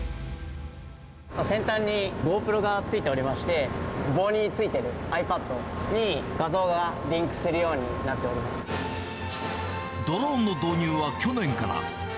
先端にゴープロがついていまして、棒についてるｉＰａｄに画像がリンクするようになっておりドローンの導入は去年から。